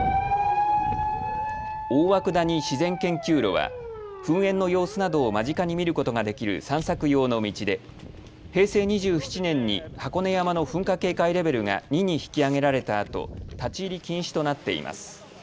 大涌谷自然研究路は噴煙の様子などを間近に見ることができる散策用の道で平成２７年に箱根山の噴火警戒レベルが２に引き上げられたあと立ち入り禁止となっています。